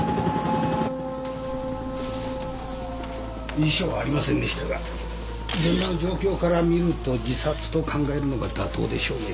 遺書はありませんでしたが現場の状況から見ると自殺と考えるのが妥当でしょうね。